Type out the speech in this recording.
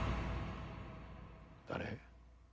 誰？